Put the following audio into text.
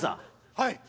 はい。